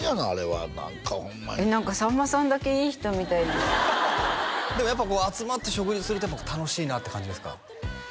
何かさんまさんだけいい人みたいにやっぱこう集まって食事すると楽しいなって感じですか？